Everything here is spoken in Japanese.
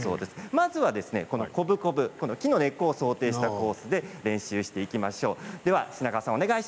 まずは、こぶこぶ木の根っこを想定したところで練習していきましょう。